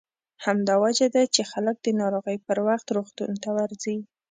همدا وجه ده چې خلک د ناروغۍ پر وخت روغتون ته ورځي.